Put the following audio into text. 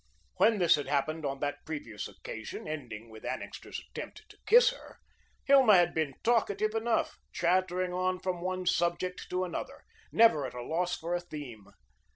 When this had happened on that previous occasion, ending with Annixter's attempt to kiss her, Hilma had been talkative enough, chattering on from one subject to another, never at a loss for a theme.